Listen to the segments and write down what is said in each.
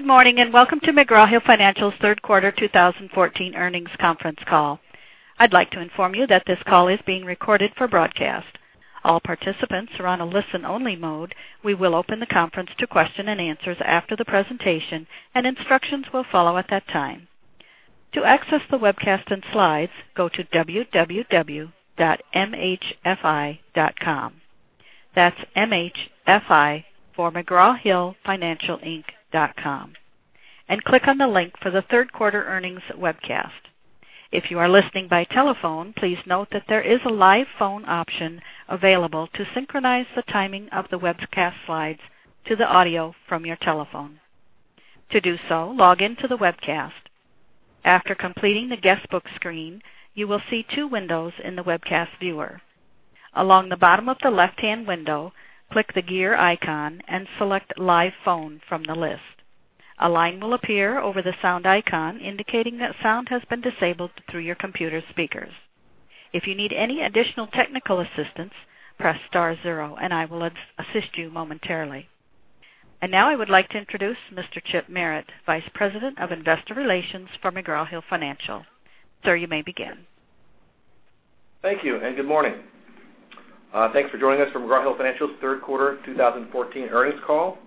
Good morning, and welcome to McGraw Hill Financial's third quarter 2014 earnings conference call. I'd like to inform you that this call is being recorded for broadcast. All participants are on a listen-only mode. We will open the conference to question and answers after the presentation, and instructions will follow at that time. To access the webcast and slides, go to www.mhfi.com. That's M-H-F-I for McGraw Hill Financial Inc.com and click on the link for the third quarter earnings webcast. If you are listening by telephone, please note that there is a live phone option available to synchronize the timing of the webcast slides to the audio from your telephone. To do so, log in to the webcast. After completing the guestbook screen, you will see two windows in the webcast viewer. Along the bottom of the left-hand window, click the gear icon and select Live Phone from the list. A line will appear over the sound icon, indicating that sound has been disabled through your computer speakers. If you need any additional technical assistance, press star zero and I will assist you momentarily. Now I would like to introduce Mr. Chip Merritt, Vice President of Investor Relations for McGraw Hill Financial. Sir, you may begin. Thank you and good morning. Thanks for joining us for McGraw Hill Financial's third quarter 2014 earnings call.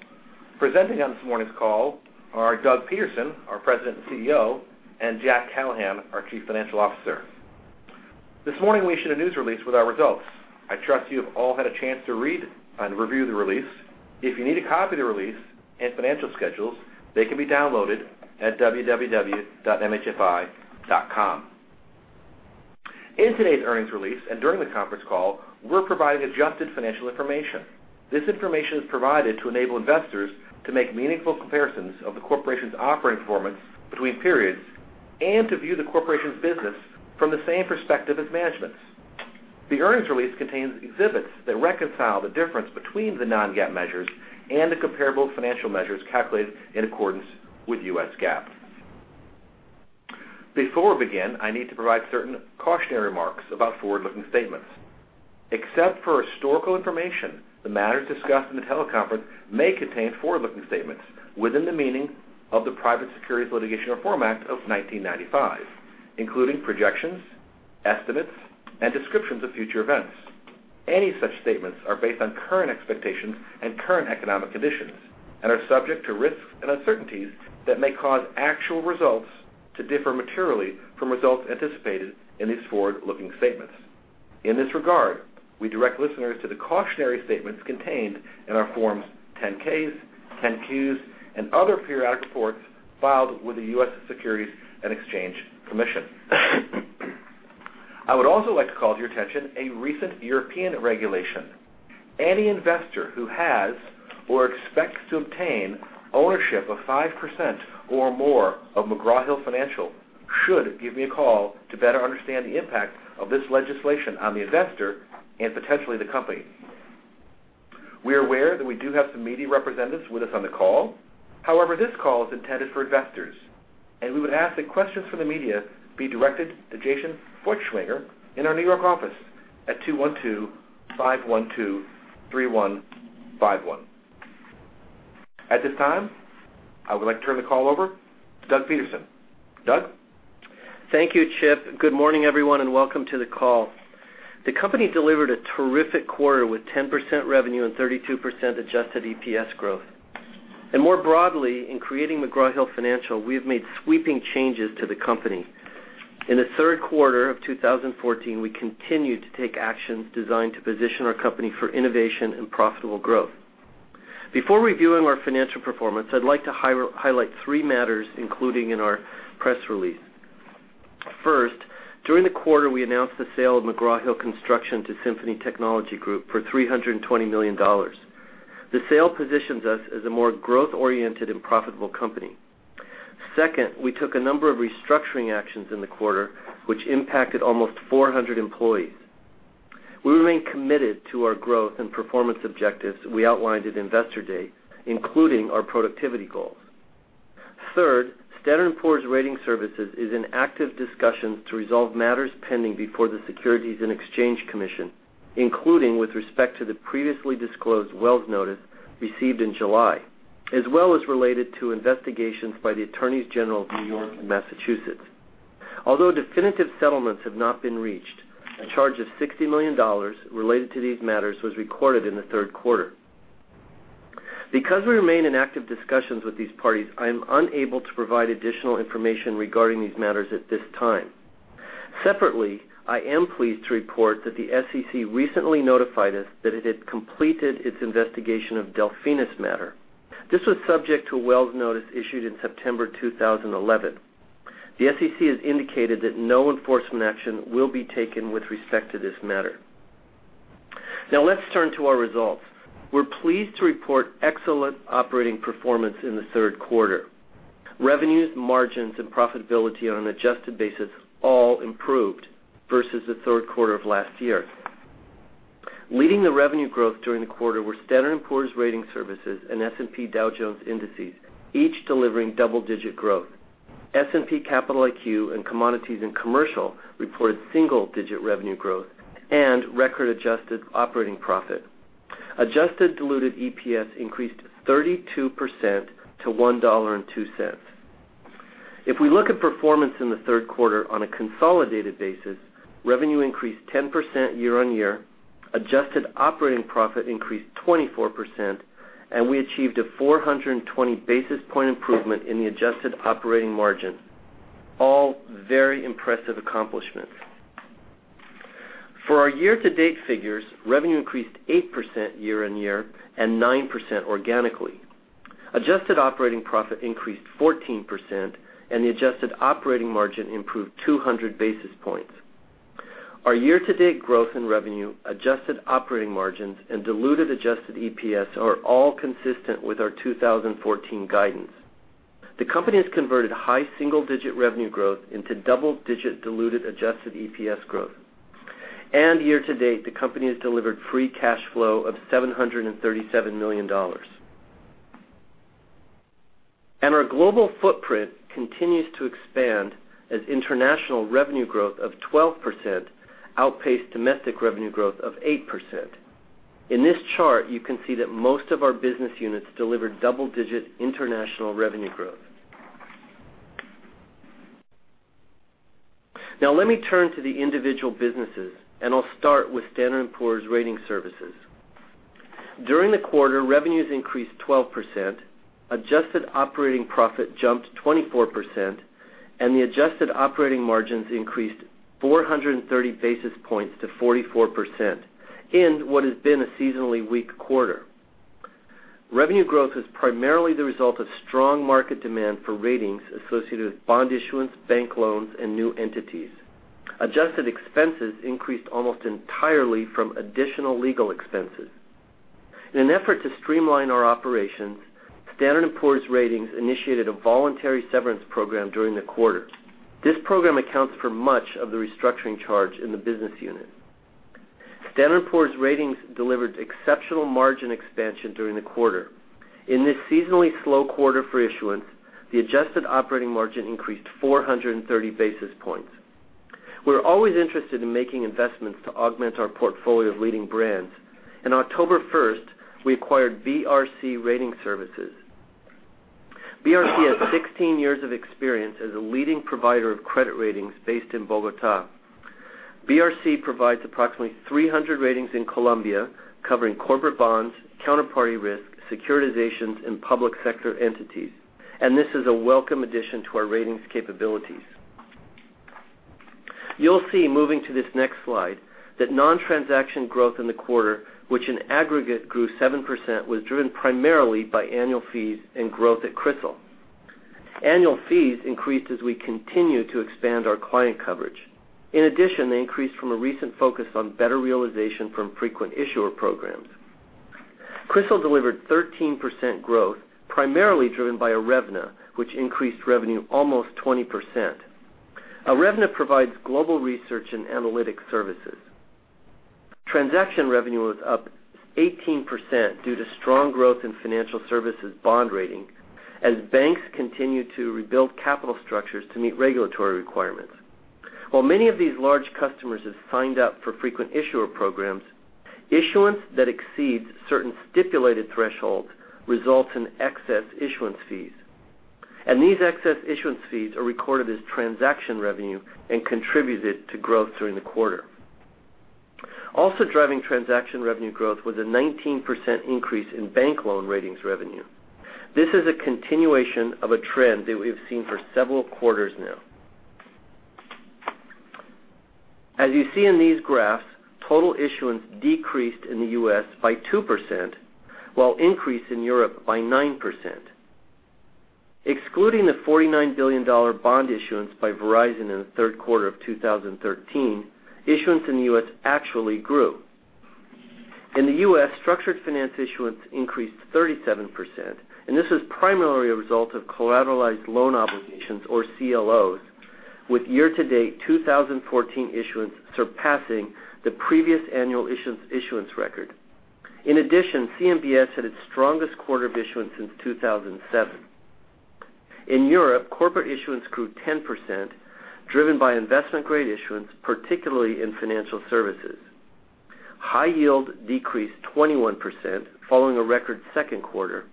Presenting on this morning's call are Doug Peterson, our President and CEO, and Jack Callahan, our Chief Financial Officer. This morning we issued a news release with our results. I trust you have all had a chance to read and review the release. If you need a copy of the release and financial schedules, they can be downloaded at www.mhfi.com. In today's earnings release and during the conference call, we're providing adjusted financial information. This information is provided to enable investors to make meaningful comparisons of the corporation's operating performance between periods and to view the corporation's business from the same perspective as management's. The earnings release contains exhibits that reconcile the difference between the non-GAAP measures and the comparable financial measures calculated in accordance with U.S. GAAP. Before we begin, I need to provide certain cautionary remarks about forward-looking statements. Except for historical information, the matters discussed in the teleconference may contain forward-looking statements within the meaning of the Private Securities Litigation Reform Act of 1995, including projections, estimates, and descriptions of future events. Any such statements are based on current expectations and current economic conditions and are subject to risks and uncertainties that may cause actual results to differ materially from results anticipated in these forward-looking statements. In this regard, we direct listeners to the cautionary statements contained in our Forms 10-Ks, 10-Qs, and other periodic reports filed with the U.S. Securities and Exchange Commission. I would also like to call to your attention a recent European regulation. Any investor who has or expects to obtain ownership of 5% or more of McGraw Hill Financial should give me a call to better understand the impact of this legislation on the investor and potentially the company. We are aware that we do have some media representatives with us on the call. However, this call is intended for investors, and we would ask that questions from the media be directed to Jason Feuchtwanger in our New York office at 212-512-3151. At this time, I would like to turn the call over to Doug Peterson. Doug? Thank you, Chip. Good morning, everyone, and welcome to the call. The company delivered a terrific quarter with 10% revenue and 32% adjusted EPS growth. More broadly, in creating McGraw Hill Financial, we have made sweeping changes to the company. In the third quarter of 2014, we continued to take actions designed to position our company for innovation and profitable growth. Before reviewing our financial performance, I'd like to highlight three matters including in our press release. First, during the quarter, we announced the sale of McGraw Hill Construction to Symphony Technology Group for $320 million. The sale positions us as a more growth-oriented and profitable company. Second, we took a number of restructuring actions in the quarter, which impacted almost 400 employees. We remain committed to our growth and performance objectives we outlined at Investor Day, including our productivity goals. Third, Standard & Poor's Ratings Services is in active discussions to resolve matters pending before the Securities and Exchange Commission, including with respect to the previously disclosed Wells notice received in July, as well as related to investigations by the Attorneys General of New York and Massachusetts. Although definitive settlements have not been reached, a charge of $60 million related to these matters was recorded in the third quarter. Because we remain in active discussions with these parties, I am unable to provide additional information regarding these matters at this time. Separately, I am pleased to report that the SEC recently notified us that it had completed its investigation of Delphinus' matter. This was subject to a Wells notice issued in September 2011. The SEC has indicated that no enforcement action will be taken with respect to this matter. Let's turn to our results. We're pleased to report excellent operating performance in the third quarter. Revenues, margins, and profitability on an adjusted basis all improved versus the third quarter of last year. Leading the revenue growth during the quarter were Standard & Poor's Ratings Services and S&P Dow Jones Indices, each delivering double-digit growth. S&P Capital IQ and Commodities and Commercial reported single-digit revenue growth and record adjusted operating profit. Adjusted diluted EPS increased 32% to $1.02. If we look at performance in the third quarter on a consolidated basis, revenue increased 10% year-on-year, adjusted operating profit increased 24%, and we achieved a 420 basis point improvement in the adjusted operating margin. All very impressive accomplishments. For our year-to-date figures, revenue increased 8% year-on-year and 9% organically. Adjusted operating profit increased 14%, and the adjusted operating margin improved 200 basis points. Our year-to-date growth in revenue, adjusted operating margins, and diluted adjusted EPS are all consistent with our 2014 guidance. The company has converted high single-digit revenue growth into double-digit diluted adjusted EPS growth. Year-to-date, the company has delivered free cash flow of $737 million. Our global footprint continues to expand as international revenue growth of 12% outpaced domestic revenue growth of 8%. In this chart, you can see that most of our business units delivered double-digit international revenue growth. Let me turn to the individual businesses, I'll start with Standard & Poor's Ratings Services. During the quarter, revenues increased 12%, adjusted operating profit jumped 24%, and the adjusted operating margins increased 430 basis points to 44% in what has been a seasonally weak quarter. Revenue growth was primarily the result of strong market demand for ratings associated with bond issuance, bank loans, and new entities. Adjusted expenses increased almost entirely from additional legal expenses. In an effort to streamline our operations, Standard & Poor's Ratings initiated a voluntary severance program during the quarter. This program accounts for much of the restructuring charge in the business unit. Standard & Poor's Ratings delivered exceptional margin expansion during the quarter. In this seasonally slow quarter for issuance, the adjusted operating margin increased 430 basis points. We're always interested in making investments to augment our portfolio of leading brands. On October 1st, we acquired BRC Investor Services S.A. BRC has 16 years of experience as a leading provider of credit ratings based in Bogotá. BRC provides approximately 300 ratings in Colombia covering corporate bonds, counterparty risk, securitizations, and public sector entities. This is a welcome addition to our ratings capabilities. You'll see, moving to this next slide, that non-transaction growth in the quarter, which in aggregate grew 7%, was driven primarily by annual fees and growth at CRISIL. Annual fees increased as we continued to expand our client coverage. In addition, they increased from a recent focus on better realization from frequent issuer programs. CRISIL delivered 13% growth, primarily driven by Irevna, which increased revenue almost 20%. Irevna provides global research and analytics services. Transaction revenue was up 18% due to strong growth in financial services bond rating, as banks continued to rebuild capital structures to meet regulatory requirements. While many of these large customers have signed up for frequent issuer programs, issuance that exceeds certain stipulated thresholds results in excess issuance fees, these excess issuance fees are recorded as transaction revenue and contributed to growth during the quarter. Driving transaction revenue growth was a 19% increase in bank loan ratings revenue. This is a continuation of a trend that we've seen for several quarters now. As you see in these graphs, total issuance decreased in the U.S. by 2%, while increase in Europe by 9%. Excluding the $49 billion bond issuance by Verizon in the third quarter of 2013, issuance in the U.S. actually grew. In the U.S., structured finance issuance increased 37%, and this is primarily a result of collateralized loan obligations, or CLOs, with year-to-date 2014 issuance surpassing the previous annual issuance record. In addition, CMBS had its strongest quarter of issuance since 2007. In Europe, corporate issuance grew 10%, driven by investment-grade issuance, particularly in financial services. High yield decreased 21%, following a record second quarter,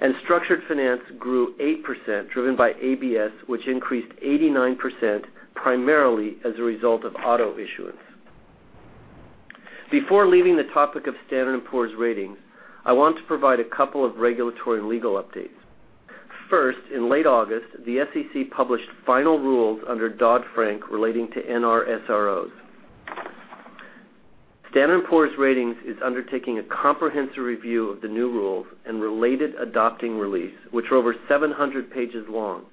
and structured finance grew 8%, driven by ABS, which increased 89%, primarily as a result of auto issuance. Before leaving the topic of Standard & Poor's Ratings, I want to provide a couple of regulatory and legal updates. First, in late August, the SEC published final rules under Dodd-Frank relating to NRSROs. Standard & Poor's Ratings is undertaking a comprehensive review of the new rules and related adopting release, which are over 700 pages long.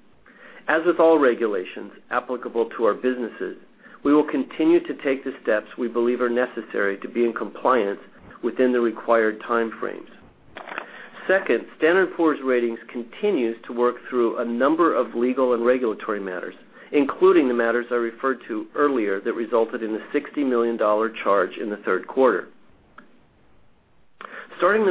As with all regulations applicable to our businesses, we will continue to take the steps we believe are necessary to be in compliance within the required time frames. Second, Standard & Poor's Ratings continues to work through a number of legal and regulatory matters, including the matters I referred to earlier that resulted in the $60 million charge in the third quarter. Starting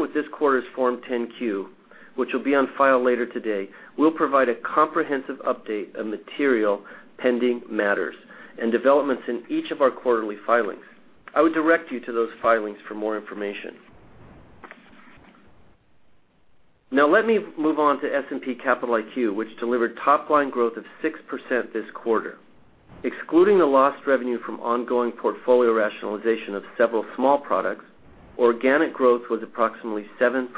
with this quarter's Form 10-Q, which will be on file later today, we'll provide a comprehensive update of material pending matters and developments in each of our quarterly filings. I would direct you to those filings for more information. Let me move on to S&P Capital IQ, which delivered top-line growth of 6% this quarter. Excluding the lost revenue from ongoing portfolio rationalization of several small products, organic growth was approximately 7%.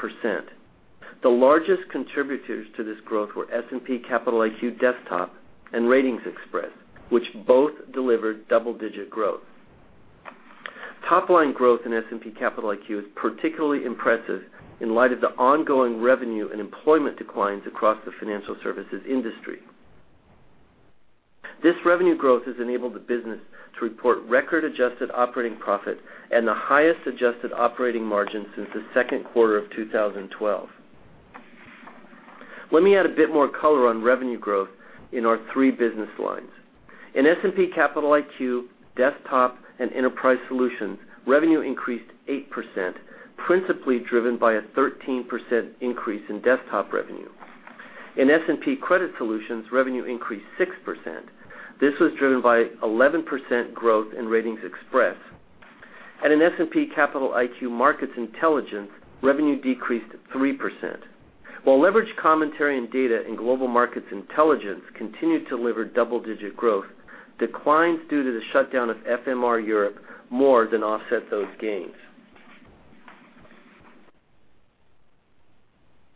The largest contributors to this growth were S&P Capital IQ Desktop and RatingsXpress, which both delivered double-digit growth. Top-line growth in S&P Capital IQ is particularly impressive in light of the ongoing revenue and employment declines across the financial services industry. This revenue growth has enabled the business to report record adjusted operating profit and the highest adjusted operating margin since the second quarter of 2012. Let me add a bit more color on revenue growth in our three business lines. In S&P Capital IQ, Desktop and Enterprise Solutions, revenue increased 8%, principally driven by a 13% increase in desktop revenue. In S&P Credit Solutions, revenue increased 6%. This was driven by 11% growth in RatingsXpress. In S&P Capital IQ Markets Intelligence, revenue decreased 3%. While Leveraged Commentary & Data in Global Markets Intelligence continued to deliver double-digit growth, declines due to the shutdown of FMR Europe more than offset those gains.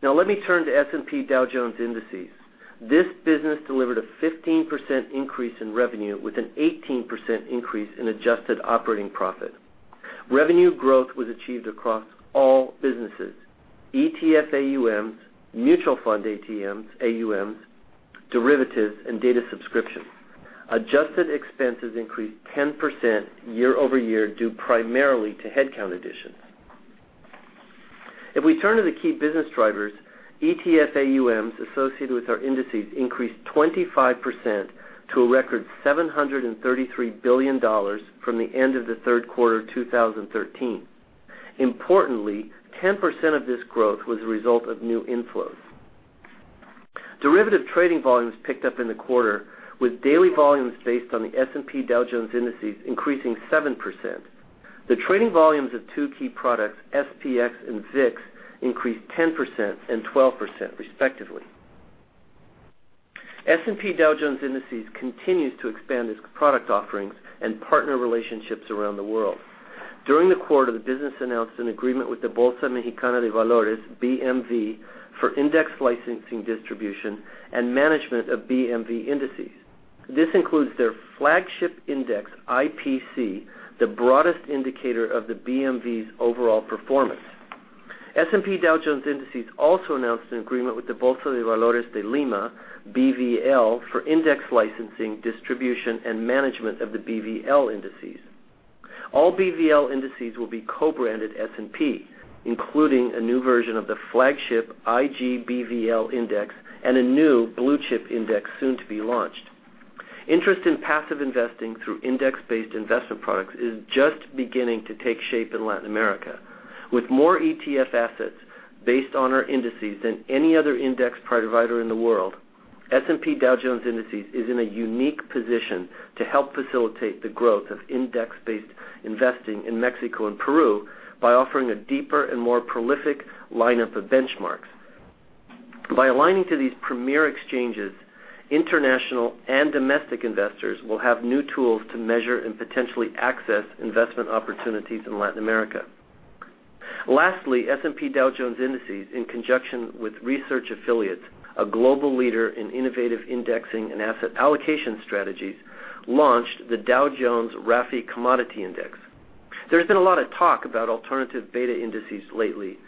Let me turn to S&P Dow Jones Indices. This business delivered a 15% increase in revenue with an 18% increase in adjusted operating profit. Revenue growth was achieved across all businesses, ETF AUMs, mutual fund AUMs, derivatives, and data subscriptions. Adjusted expenses increased 10% year-over-year, due primarily to headcount additions. If we turn to the key business drivers, ETF AUMs associated with our indices increased 25% to a record $733 billion from the end of the third quarter 2013. Importantly, 10% of this growth was a result of new inflows. Derivative trading volumes picked up in the quarter, with daily volumes based on the S&P Dow Jones Indices increasing 7%. The trading volumes of two key products, SPX and VIX, increased 10% and 12%, respectively. S&P Dow Jones Indices continues to expand its product offerings and partner relationships around the world. During the quarter, the business announced an agreement with the Bolsa Mexicana de Valores, BMV, for index licensing distribution and management of BMV indices. This includes their flagship index, IPC, the broadest indicator of the BMV's overall performance. S&P Dow Jones Indices also announced an agreement with the Bolsa de Valores de Lima, BVL, for index licensing, distribution, and management of the BVL indices. All BVL indices will be co-branded S&P, including a new version of the flagship IGBVL index and a new blue-chip index soon to be launched. Interest in passive investing through index-based investment products is just beginning to take shape in Latin America. With more ETF assets based on our indices than any other index provider in the world, S&P Dow Jones Indices is in a unique position to help facilitate the growth of index-based investing in Mexico and Peru by offering a deeper and more prolific lineup of benchmarks. By aligning to these premier exchanges, international and domestic investors will have new tools to measure and potentially access investment opportunities in Latin America. Lastly, S&P Dow Jones Indices, in conjunction with Research Affiliates, a global leader in innovative indexing and asset allocation strategies, launched the Dow Jones RAFI Commodity Index. There's been a lot of talk about alternative beta indices lately.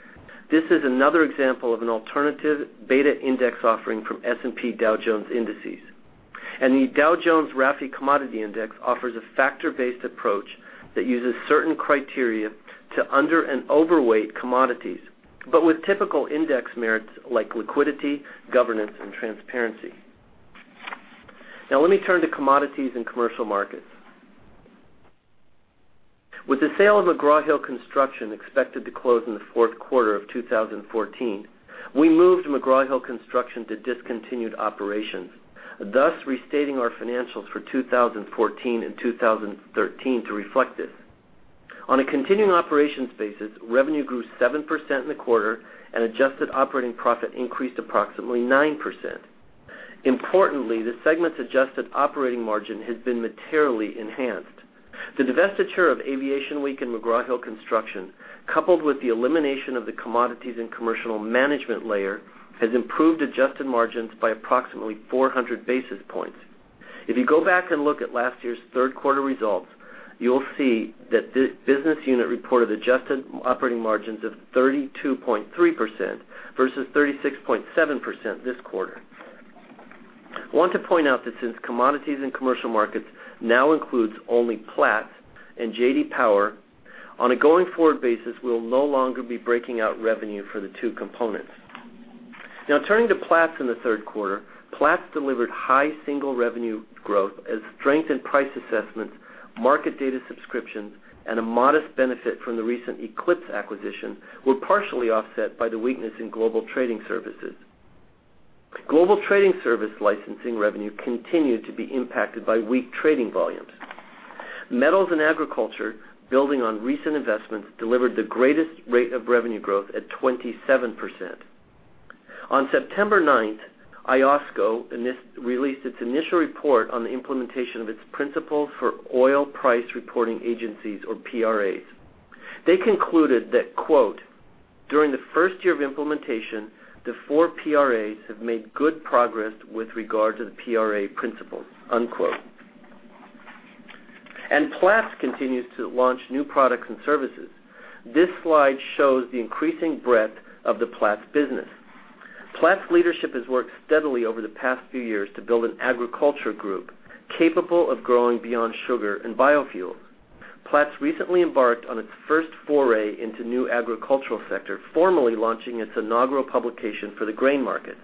This is another example of an alternative beta index offering from S&P Dow Jones Indices, and the Dow Jones RAFI Commodity Index offers a factor-based approach that uses certain criteria to under and overweight commodities, but with typical index merits like liquidity, governance, and transparency. Now let me turn to commodities and commercial markets. With the sale of McGraw Hill Construction expected to close in the fourth quarter of 2014, we moved McGraw Hill Construction to discontinued operations, thus restating our financials for 2014 and 2013 to reflect this. On a continuing operations basis, revenue grew 7% in the quarter, and adjusted operating profit increased approximately 9%. Importantly, the segment's adjusted operating margin has been materially enhanced. The divestiture of Aviation Week and McGraw Hill Construction, coupled with the elimination of the commodities and commercial management layer, has improved adjusted margins by approximately 400 basis points. If you go back and look at last year's third quarter results, you will see that this business unit reported adjusted operating margins of 32.3% versus 36.7% this quarter. I want to point out that since commodities and commercial markets now includes only Platts and J.D. Power, on a going-forward basis, we will no longer be breaking out revenue for the two components. Now turning to Platts in the third quarter. Platts delivered high single revenue growth as strength in price assessments, market data subscriptions, and a modest benefit from the recent Eclipse acquisition were partially offset by the weakness in global trading services. Global trading service licensing revenue continued to be impacted by weak trading volumes. Metals and agriculture, building on recent investments, delivered the greatest rate of revenue growth at 27%. On September 9th, IOSCO released its initial report on the implementation of its principles for oil price reporting agencies or PRAs. They concluded that, quote, "During the first year of implementation, the four PRAs have made good progress with regard to the PRA principles." Unquote. Platts continues to launch new products and services. This slide shows the increasing breadth of the Platts business. Platts leadership has worked steadily over the past few years to build an agriculture group capable of growing beyond sugar and biofuels. Platts recently embarked on its first foray into new agricultural sector, formally launching its inaugural publication for the grain markets.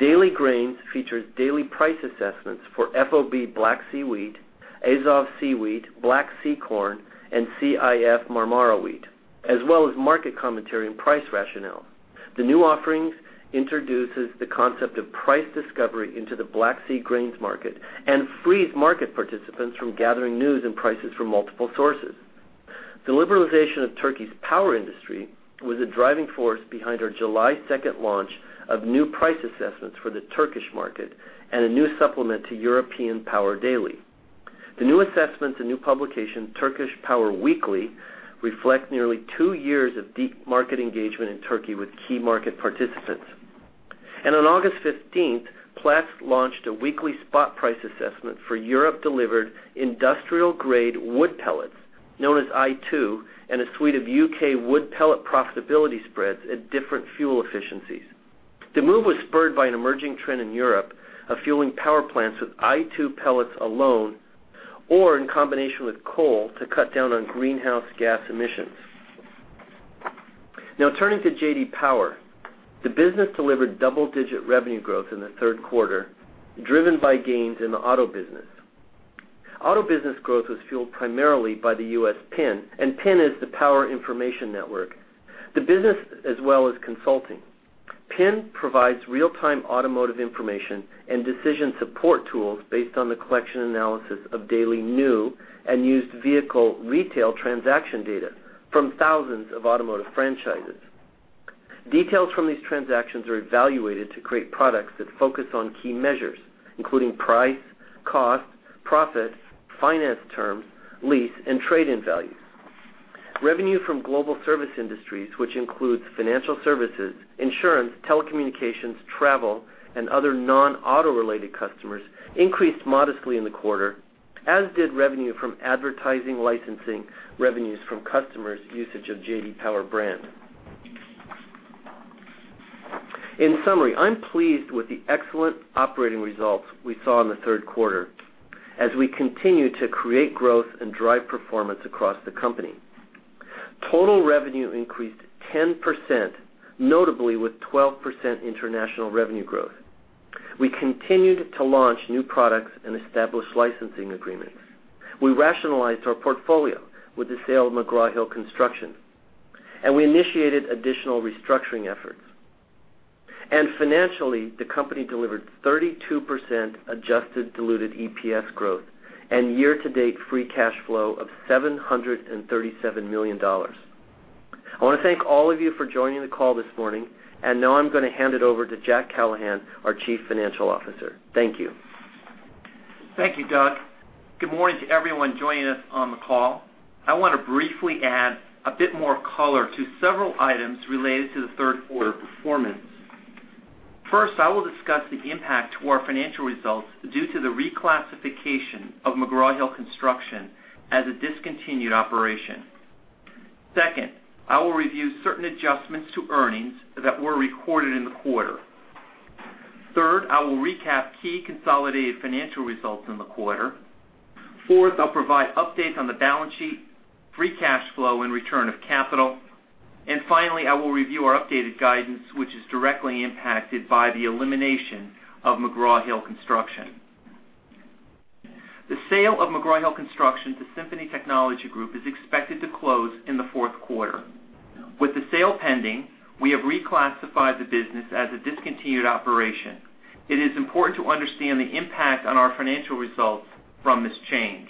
Daily Grains features daily price assessments for FOB Black Sea wheat, Azov Sea wheat, Black Sea corn, and CIF Marmara wheat, as well as market commentary and price rationale. The new offerings introduces the concept of price discovery into the Black Sea grains market and frees market participants from gathering news and prices from multiple sources. The liberalization of Turkey's power industry was a driving force behind our July 2nd launch of new price assessments for the Turkish market and a new supplement to Platts European Power Daily. The new assessments and new publication, Platts Turkish Power Weekly, reflect nearly 2 years of deep market engagement in Turkey with key market participants. On August 15th, Platts launched a weekly spot price assessment for Europe-delivered industrial-grade wood pellets, known as i2, and a suite of U.K. wood pellet profitability spreads at different fuel efficiencies. The move was spurred by an emerging trend in Europe of fueling power plants with i2 pellets alone or in combination with coal to cut down on greenhouse gas emissions. Turning to J.D. Power. The business delivered double-digit revenue growth in the third quarter, driven by gains in the auto business. Auto business growth was fueled primarily by the U.S. PIN, and PIN is the Power Information Network. The business as well as consulting. PIN provides real-time automotive information and decision support tools based on the collection analysis of daily new and used vehicle retail transaction data from thousands of automotive franchises. Details from these transactions are evaluated to create products that focus on key measures, including price, cost, profit, finance terms, lease, and trade-in values. Revenue from global service industries, which includes financial services, insurance, telecommunications, travel, and other non-auto related customers, increased modestly in the quarter, as did revenue from advertising licensing revenues from customers' usage of J.D. Power brand. In summary, I'm pleased with the excellent operating results we saw in the third quarter as we continue to create growth and drive performance across the company. Total revenue increased 10%, notably with 12% international revenue growth. We continued to launch new products and establish licensing agreements. We rationalized our portfolio with the sale of McGraw Hill Construction, and we initiated additional restructuring efforts. Financially, the company delivered 32% adjusted diluted EPS growth and year-to-date free cash flow of $737 million. I want to thank all of you for joining the call this morning. Now I'm going to hand it over to Jack Callahan, our Chief Financial Officer. Thank you, Doug. Thank you, Doug. Good morning to everyone joining us on the call. I want to briefly add a bit more color to several items related to the third quarter performance. First, I will discuss the impact to our financial results due to the reclassification of McGraw Hill Construction as a discontinued operation. Second, I will review certain adjustments to earnings that were recorded in the quarter. Third, I will recap key consolidated financial results in the quarter. Fourth, I'll provide updates on the balance sheet, free cash flow, and return of capital. Finally, I will review our updated guidance, which is directly impacted by the elimination of McGraw Hill Construction. The sale of McGraw Hill Construction to Symphony Technology Group is expected to close in the fourth quarter. With the sale pending, we have reclassified the business as a discontinued operation. It is important to understand the impact on our financial results from this change.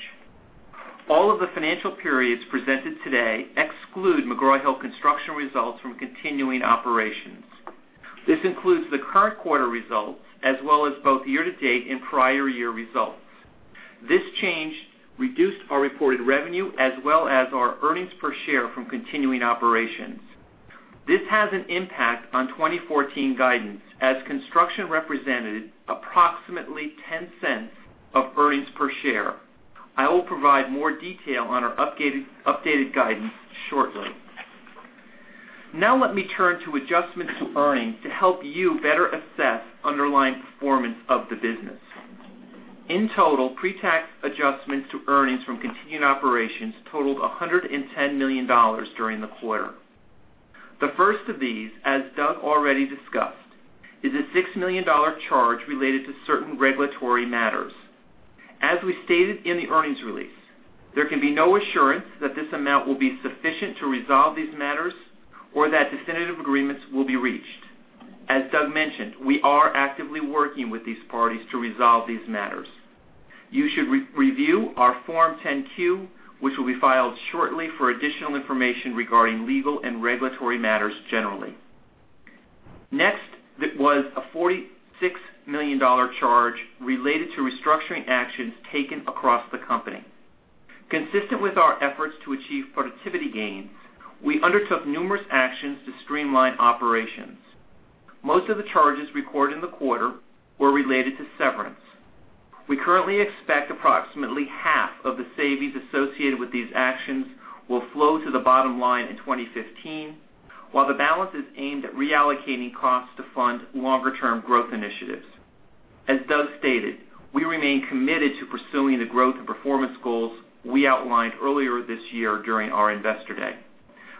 All of the financial periods presented today exclude McGraw Hill Construction results from continuing operations. This includes the current quarter results, as well as both year-to-date and prior year results. This change reduced our reported revenue as well as our earnings per share from continuing operations. This has an impact on 2014 guidance, as construction represented approximately $0.10 of earnings per share. I will provide more detail on our updated guidance shortly. Now let me turn to adjustments to earnings to help you better assess underlying performance of the business. In total, pre-tax adjustments to earnings from continuing operations totaled $110 million during the quarter. The first of these, as Doug already discussed, is a $6 million charge related to certain regulatory matters. As we stated in the earnings release, there can be no assurance that this amount will be sufficient to resolve these matters or that definitive agreements will be reached. As Doug mentioned, we are actively working with these parties to resolve these matters. You should review our Form 10-Q, which will be filed shortly, for additional information regarding legal and regulatory matters generally. Next was a $46 million charge related to restructuring actions taken across the company. Consistent with our efforts to achieve productivity gains, we undertook numerous actions to streamline operations. Most of the charges recorded in the quarter were related to severance. We currently expect approximately half of the savings associated with these actions will flow to the bottom line in 2015, while the balance is aimed at reallocating costs to fund longer-term growth initiatives. As Doug stated, we remain committed to pursuing the growth and performance goals we outlined earlier this year during our Investor Day.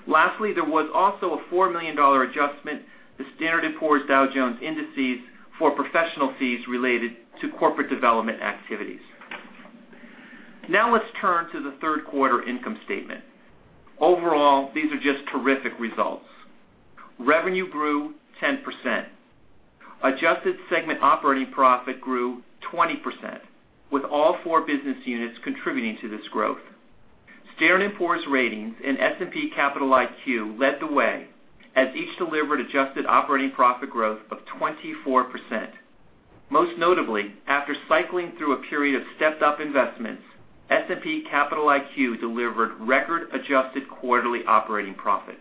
Lastly, there was also a $4 million adjustment to S&P Dow Jones Indices for professional fees related to corporate development activities. Now let's turn to the third quarter income statement. Overall, these are just terrific results. Revenue grew 10%. Adjusted segment operating profit grew 20%, with all four business units contributing to this growth. Standard & Poor's Ratings and S&P Capital IQ led the way, as each delivered adjusted operating profit growth of 24%. Most notably, after cycling through a period of stepped-up investments, S&P Capital IQ delivered record adjusted quarterly operating profit.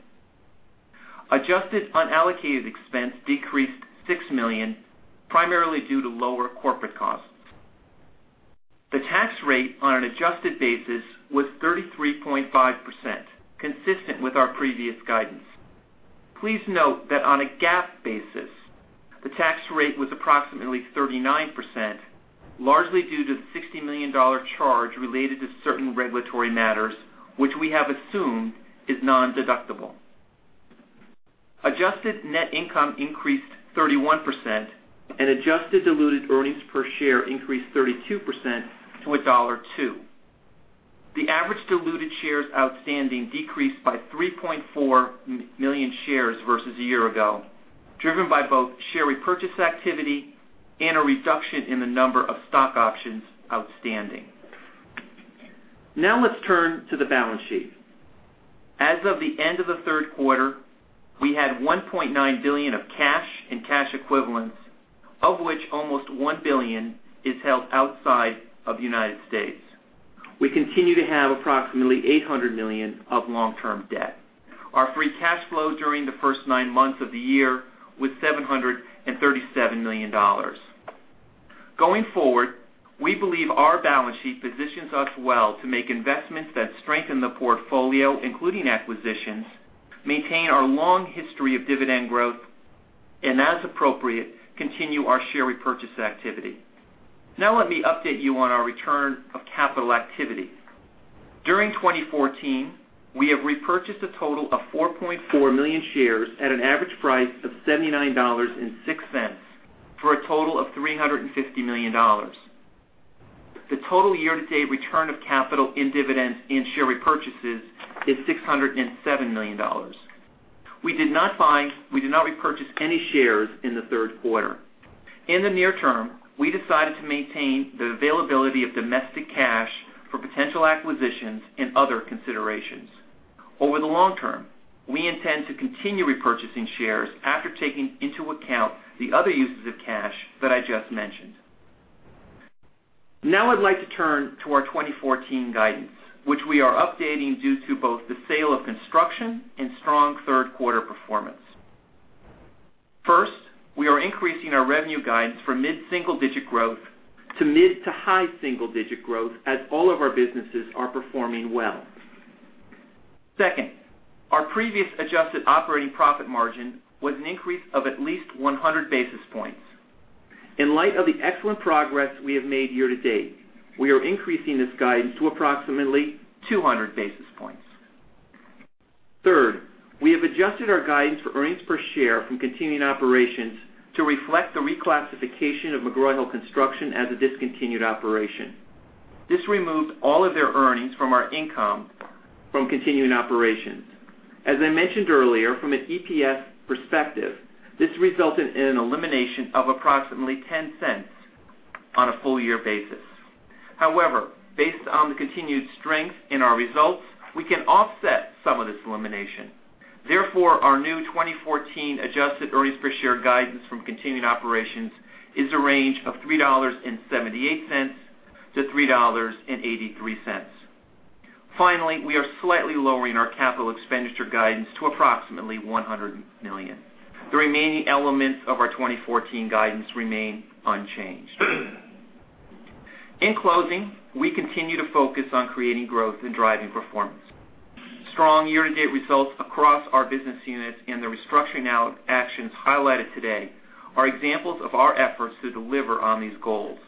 Adjusted unallocated expense decreased $6 million, primarily due to lower corporate costs. The tax rate on an adjusted basis was 33.5%, consistent with our previous guidance. Please note that on a GAAP basis, the tax rate was approximately 39%, largely due to the $60 million charge related to certain regulatory matters, which we have assumed is nondeductible. Adjusted net income increased 31%, and adjusted diluted earnings per share increased 32% to $1.02. The average diluted shares outstanding decreased by 3.4 million shares versus a year ago, driven by both share repurchase activity and a reduction in the number of stock options outstanding. Now let's turn to the balance sheet. As of the end of the third quarter, we had $1.9 billion of cash and cash equivalents, of which almost $1 billion is held outside of the United States. We continue to have approximately $800 million of long-term debt. Our free cash flow during the first nine months of the year was $737 million. Going forward, we believe our balance sheet positions us well to make investments that strengthen the portfolio, including acquisitions, maintain our long history of dividend growth, and as appropriate, continue our share repurchase activity. Let me update you on our return of capital activity. During 2014, we have repurchased a total of 4.4 million shares at an average price of $79.06 for a total of $350 million. The total year-to-date return of capital in dividends and share repurchases is $607 million. We did not repurchase any shares in the third quarter. In the near term, we decided to maintain the availability of domestic cash for potential acquisitions and other considerations. Over the long term, we intend to continue repurchasing shares after taking into account the other uses of cash that I just mentioned. I'd like to turn to our 2014 guidance, which we are updating due to both the sale of Construction and strong third quarter performance. First, we are increasing our revenue guidance from mid-single digit growth to mid-to-high single digit growth as all of our businesses are performing well. Second, our previous adjusted operating profit margin was an increase of at least 100 basis points. In light of the excellent progress we have made year to date, we are increasing this guidance to approximately 200 basis points. Third, we have adjusted our guidance for earnings per share from continuing operations to reflect the reclassification of McGraw Hill Construction as a discontinued operation. This removed all of their earnings from our income from continuing operations. As I mentioned earlier, from an EPS perspective, this resulted in an elimination of approximately $0.10 on a full year basis. Based on the continued strength in our results, we can offset some of this elimination. Our new 2014 adjusted earnings per share guidance from continuing operations is a range of $3.78 to $3.83. Finally, we are slightly lowering our capital expenditure guidance to approximately $100 million. The remaining elements of our 2014 guidance remain unchanged. In closing, we continue to focus on creating growth and driving performance. Strong year-to-date results across our business units and the restructuring actions highlighted today are examples of our efforts to deliver on these goals.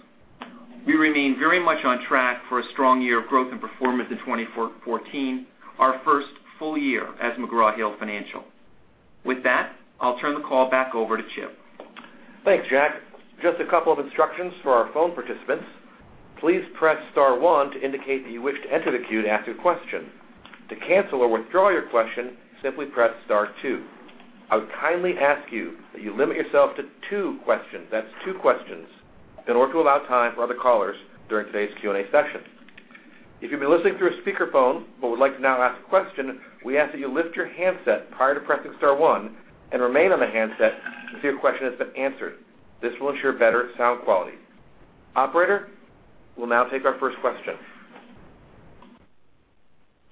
We remain very much on track for a strong year of growth and performance in 2014, our first full year as McGraw Hill Financial. With that, I'll turn the call back over to Chip. Thanks, Jack. Just a couple of instructions for our phone participants. Please press star one to indicate that you wish to enter the queue to ask a question. To cancel or withdraw your question, simply press star two. I would kindly ask you that you limit yourself to two questions. That's two questions, in order to allow time for other callers during today's Q&A session. If you've been listening through a speakerphone but would like to now ask a question, we ask that you lift your handset prior to pressing star one and remain on the handset until your question has been answered. This will ensure better sound quality. Operator, we'll now take our first question.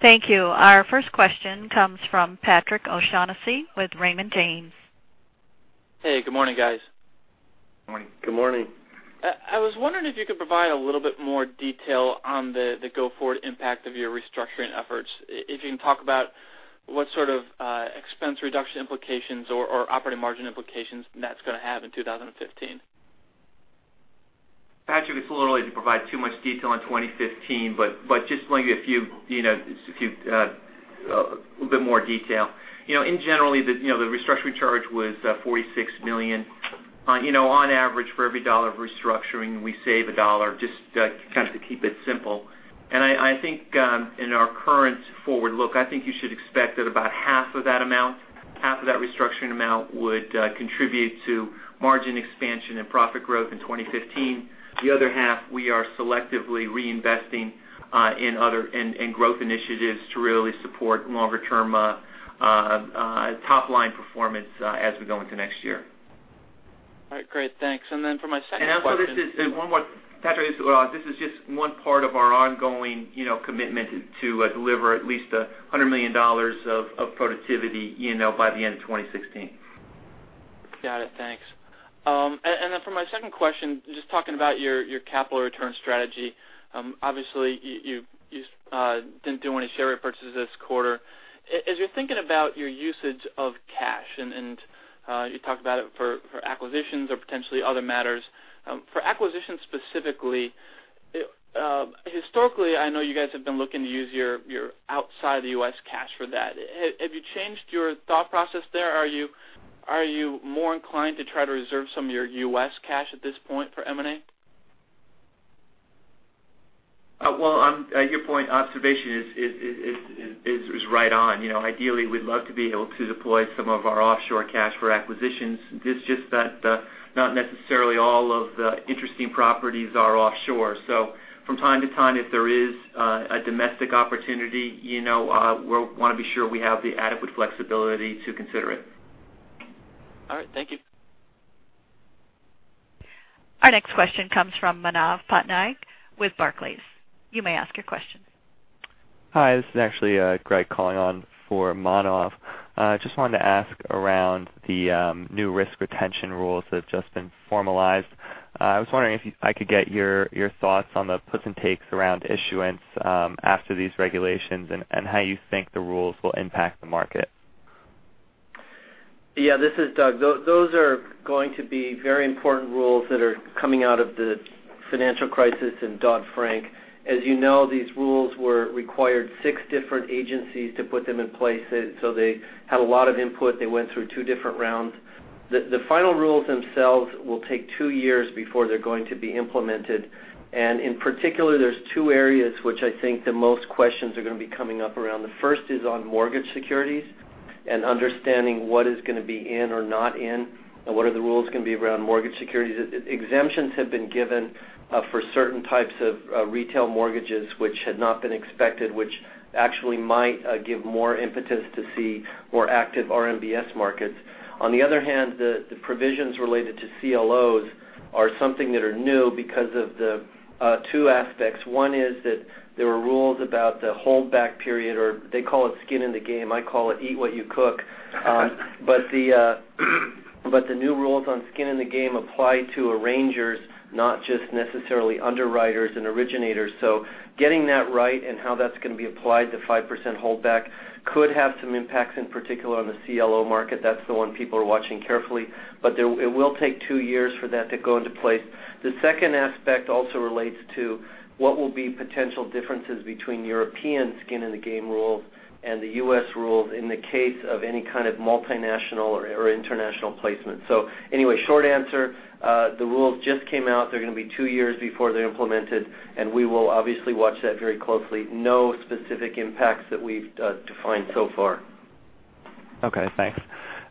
Thank you. Our first question comes from Patrick O'Shaughnessy with Raymond James. Hey, good morning, guys. Morning. Good morning. I was wondering if you could provide a little bit more detail on the go-forward impact of your restructuring efforts. If you can talk about what sort of expense reduction implications or operating margin implications that's going to have in 2015. Patrick, it's a little early to provide too much detail on 2015. Just to give you a bit more detail. In general, the restructuring charge was $46 million. On average, for every dollar of restructuring, we save a dollar, just to keep it simple. I think in our current forward look, I think you should expect that about half of that restructuring amount would contribute to margin expansion and profit growth in 2015. The other half, we are selectively reinvesting in growth initiatives to really support longer-term top-line performance as we go into next year. All right, great. Thanks. For my second question. Also, Patrick, this is just one part of our ongoing commitment to deliver at least $100 million of productivity by the end of 2016. Got it, thanks. For my second question, just talking about your capital return strategy. Obviously, you didn't do any share repurchases this quarter. As you're thinking about your usage of cash, and you talked about it for acquisitions or potentially other matters. For acquisitions specifically, historically, I know you guys have been looking to use your outside the U.S. cash for that. Have you changed your thought process there? Are you more inclined to try to reserve some of your U.S. cash at this point for M&A? Your observation is right on. Ideally, we'd love to be able to deploy some of our offshore cash for acquisitions. It's just that not necessarily all of the interesting properties are offshore. From time to time, if there is a domestic opportunity, we'll want to be sure we have the adequate flexibility to consider it. All right, thank you. Our next question comes from Manav Patnaik with Barclays. You may ask your question. Hi, this is actually Greg calling on for Manav. I just wanted to ask around the new risk retention rules that have just been formalized. I was wondering if I could get your thoughts on the puts and takes around issuance after these regulations, and how you think the rules will impact the market. This is Doug. Those are going to be very important rules that are coming out of the financial crisis and Dodd-Frank. As you know, these rules required 6 different agencies to put them in place. They had a lot of input. They went through 2 different rounds. The final rules themselves will take 2 years before they're going to be implemented. In particular, there's 2 areas which I think the most questions are going to be coming up around. The first is on mortgage securities and understanding what is going to be in or not in, and what are the rules going to be around mortgage securities. Exemptions have been given for certain types of retail mortgages which had not been expected, which actually might give more impetus to see more active RMBS markets. On the other hand, the provisions related to CLOs are something that are new because of the 2 aspects. One is that there were rules about the hold back period, or they call it skin in the game. I call it eat what you cook. The new rules on skin in the game apply to arrangers, not just necessarily underwriters and originators. Getting that right and how that's going to be applied, the 5% holdback could have some impacts, in particular on the CLO market. That's the one people are watching carefully. It will take 2 years for that to go into place. The second aspect also relates to what will be potential differences between European skin in the game rules and the U.S. rules in the case of any kind of multinational or international placement. Anyway, short answer, the rules just came out. They're going to be 2 years before they're implemented, we will obviously watch that very closely. No specific impacts that we've defined so far. Okay, thanks.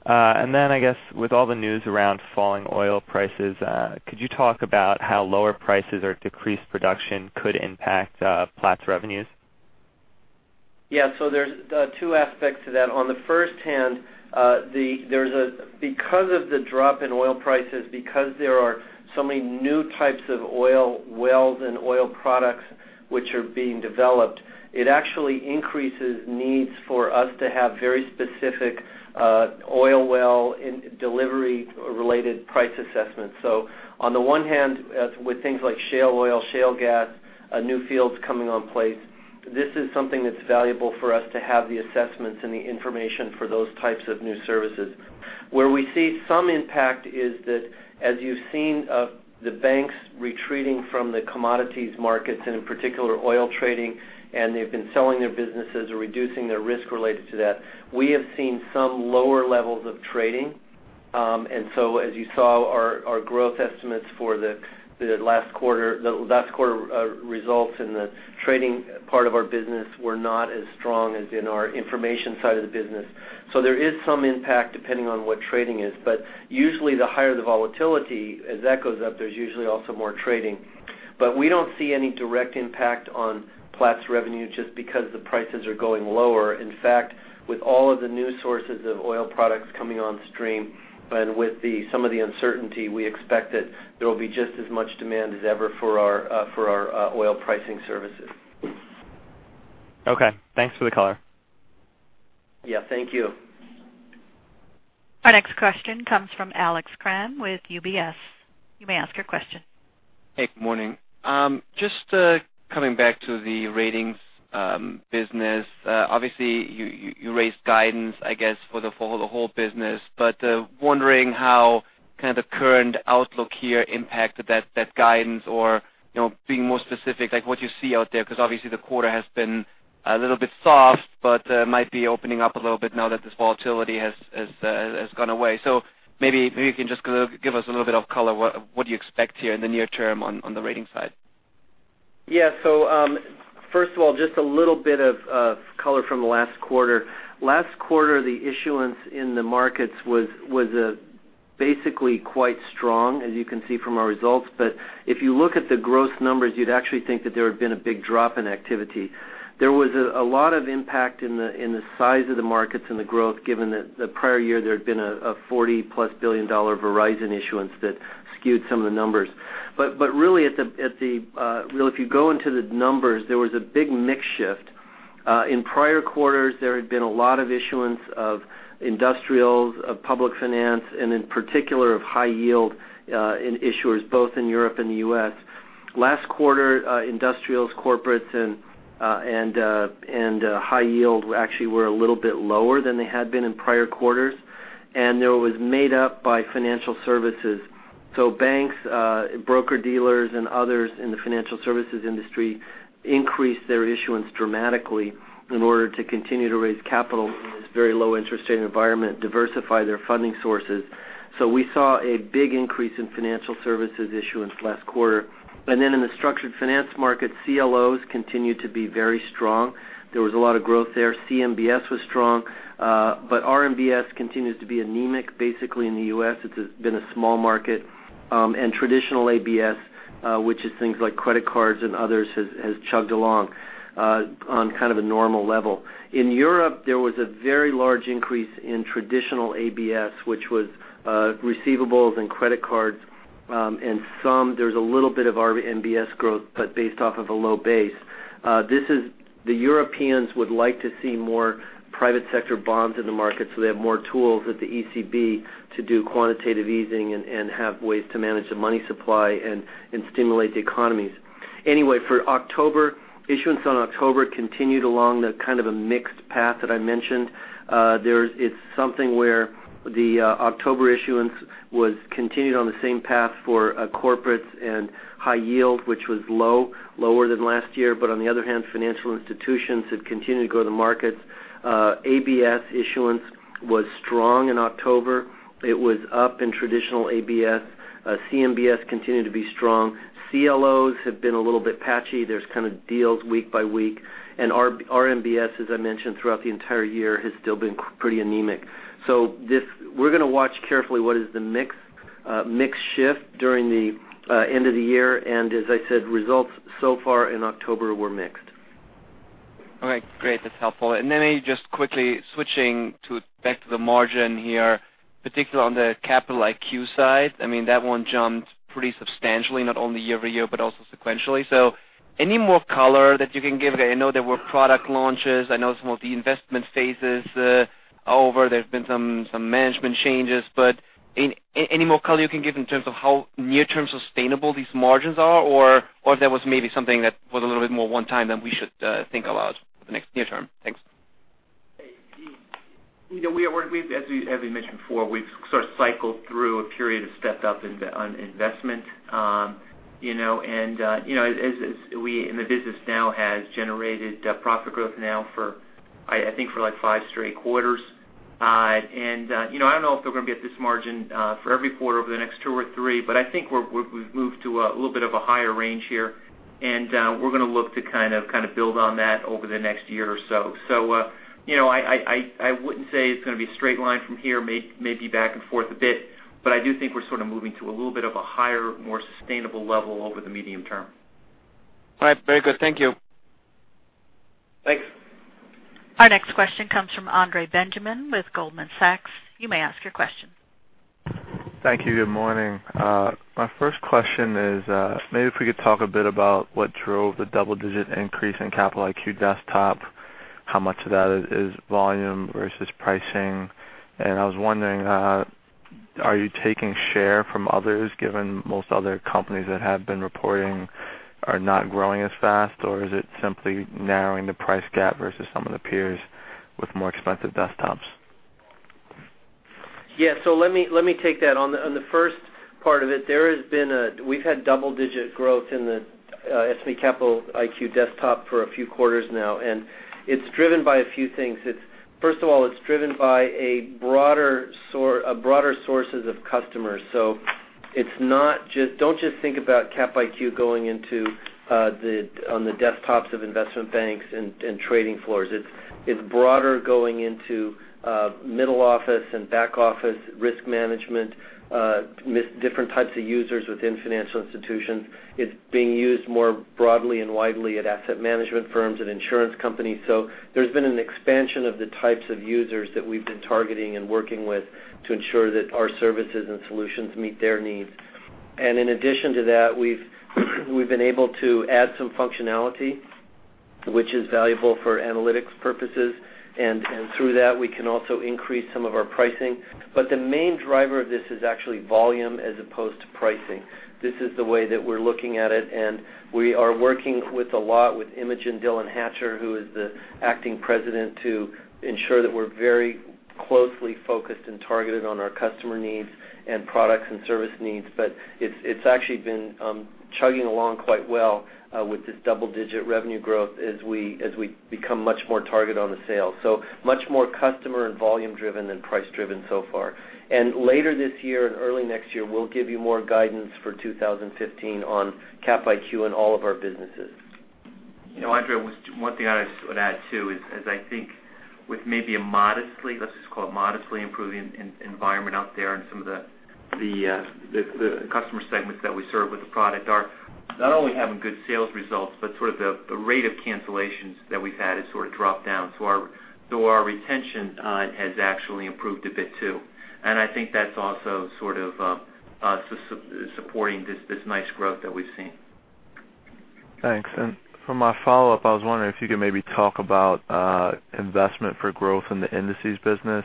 I guess with all the news around falling oil prices, could you talk about how lower prices or decreased production could impact Platts revenues? Yeah. There's two aspects to that. On the first hand, because of the drop in oil prices, because there are so many new types of oil wells and oil products which are being developed, it actually increases needs for us to have very specific oil well delivery-related price assessments. On the one hand, with things like shale oil, shale gas, new fields coming on place, this is something that's valuable for us to have the assessments and the information for those types of new services. Where we see some impact is that as you've seen the banks retreating from the commodities markets, and in particular oil trading, and they've been selling their businesses or reducing their risk related to that. We have seen some lower levels of trading. As you saw, our growth estimates for the last quarter results in the trading part of our business were not as strong as in our information side of the business. There is some impact depending on what trading is, but usually the higher the volatility, as that goes up, there's usually also more trading. We don't see any direct impact on Platts revenue just because the prices are going lower. In fact, with all of the new sources of oil products coming on stream and with some of the uncertainty, we expect that there will be just as much demand as ever for our oil pricing services. Okay. Thanks for the color. Yeah. Thank you. Our next question comes from Alex Kramm with UBS. You may ask your question. Hey, good morning. Just coming back to the Ratings business. Wondering how kind of the current outlook here impacted that guidance or being more specific, like what you see out there. Obviously the quarter has been a little bit soft, but might be opening up a little bit now that this volatility has gone away. Maybe you can just give us a little bit of color what you expect here in the near term on the Ratings side. First of all, just a little bit of color from last quarter. Last quarter, the issuance in the markets was basically quite strong, as you can see from our results. If you look at the growth numbers, you'd actually think that there had been a big drop in activity. There was a lot of impact in the size of the markets and the growth, given that the prior year there had been a $40-plus billion Verizon issuance that skewed some of the numbers. Really, if you go into the numbers, there was a big mix shift. In prior quarters, there had been a lot of issuance of industrials, of public finance, and in particular of high yield in issuers both in Europe and the U.S. Last quarter, industrials, corporates, and high yield actually were a little bit lower than they had been in prior quarters, and it was made up by financial services. Banks, broker-dealers, and others in the financial services industry increased their issuance dramatically in order to continue to raise capital in this very low interest rate environment, diversify their funding sources. We saw a big increase in financial services issuance last quarter. In the structured finance market, CLOs continued to be very strong. There was a lot of growth there. CMBS was strong. RMBS continues to be anemic. Basically, in the U.S., it's been a small market. Traditional ABS, which is things like credit cards and others, has chugged along on kind of a normal level. In Europe, there was a very large increase in traditional ABS, which was receivables and credit cards. Some, there's a little bit of RMBS growth, based off of a low base. The Europeans would like to see more private sector bonds in the market so they have more tools at the ECB to do quantitative easing and have ways to manage the money supply and stimulate the economies. For October, issuance on October continued along the kind of a mixed path that I mentioned. It's something where the October issuance continued on the same path for corporates and high yield, which was low, lower than last year. On the other hand, financial institutions had continued to go to the markets. ABS issuance was strong in October. It was up in traditional ABS. CMBS continued to be strong. CLOs have been a little bit patchy. There's kind of deals week by week, RMBS, as I mentioned, throughout the entire year, has still been pretty anemic. We're going to watch carefully what is the mix shift during the end of the year. As I said, results so far in October were mixed. All right, great. That's helpful. Just quickly switching back to the margin here, particularly on the Capital IQ side. That one jumped pretty substantially, not only year-over-year, also sequentially. Any more color that you can give? I know there were product launches. I know some of the investment phases are over. There's been some management changes. Any more color you can give in terms of how near-term sustainable these margins are? Or if there was maybe something that was a little bit more one time than we should think about for the next near term. Thanks. As we mentioned before, we've sort of cycled through a period of stepped up investment. The business now has generated profit growth now I think for five straight quarters. I don't know if they're going to be at this margin for every quarter over the next two or three, but I think we've moved to a little bit of a higher range here, and we're going to look to kind of build on that over the next year or so. I wouldn't say it's going to be a straight line from here, maybe back and forth a bit. I do think we're sort of moving to a little bit of a higher, more sustainable level over the medium term. All right. Very good. Thank you. Thanks. Our next question comes from Andre Benjamin with Goldman Sachs. You may ask your question. Thank you. Good morning. My first question is maybe if we could talk a bit about what drove the double-digit increase in Capital IQ Desktop, how much of that is volume versus pricing. I was wondering, are you taking share from others, given most other companies that have been reporting are not growing as fast, or is it simply narrowing the price gap versus some of the peers with more expensive desktops? Yes. Let me take that. On the first part of it, we've had double-digit growth in the S&P Capital IQ platform for a few quarters now. It's driven by a few things. First of all, it's driven by broader sources of customers. Don't just think about Cap IQ going into on the desktops of investment banks and trading floors. It's broader going into middle office and back office risk management, different types of users within financial institutions. It's being used more broadly and widely at asset management firms and insurance companies. There's been an expansion of the types of users that we've been targeting and working with to ensure that our services and solutions meet their needs. In addition to that, we've been able to add some functionality, which is valuable for analytics purposes, and through that, we can also increase some of our pricing. The main driver of this is actually volume as opposed to pricing. This is the way that we're looking at it. We are working with a lot with Imogen Dillon Hatcher, who is the acting president, to ensure that we're very closely focused and targeted on our customer needs and products and service needs. It's actually been chugging along quite well with this double-digit revenue growth as we become much more targeted on the sale. Much more customer and volume driven than price driven so far. Later this year and early next year, we'll give you more guidance for 2015 on Cap IQ and all of our businesses. Andre Benjamin, one thing I would add, too, is I think with maybe a modestly, let's just call it modestly improving environment out there in some of the customer segments that we serve with the product are not only having good sales results, but the rate of cancellations that we've had has dropped down. Our retention has actually improved a bit, too. I think that's also supporting this nice growth that we've seen. Thanks. For my follow-up, I was wondering if you could maybe talk about investment for growth in the indices business.